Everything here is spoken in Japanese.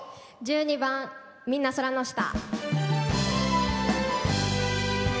１２番「みんな空の下」。